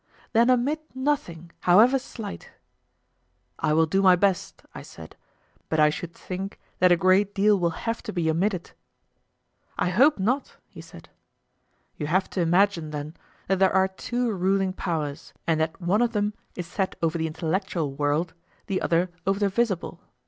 Then omit nothing, however slight. I will do my best, I said; but I should think that a great deal will have to be omitted. I hope not, he said. You have to imagine, then, that there are two ruling powers, and that one of them is set over the intellectual world, the other over the visible.